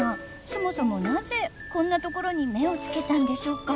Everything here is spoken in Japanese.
そもそもなぜこんなところに目をつけたんでしょうか？